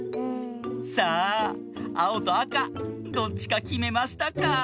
さああおとあかどっちかきめましたか？